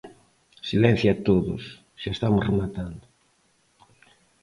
Silencio a todos, xa estamos rematando.